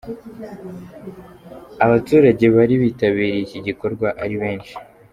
Abaturage bari bitabiriye iki gikorwa ari benshi.